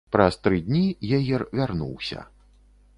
Праз тры дні егер вярнуўся.